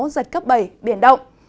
giật cấp bảy biển động